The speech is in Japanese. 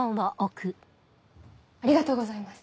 ありがとうございます。